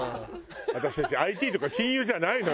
私たちＩＴとか金融じゃないのよ